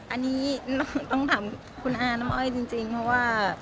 อันนี้ต้องถามคุณอาน้องอ้อยจริงเพราะว่า